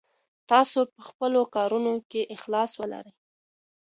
تاسو په خپلو کارونو کې اخلاص ولرئ.